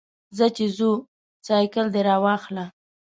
ځه چې ځو، سایکل دې راواخله.